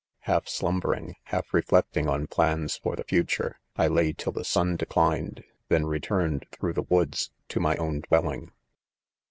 Half slumbering, half reflecting on plans for the future, I lay till the sun declined ; then returned through the woods ioMij own dwelling..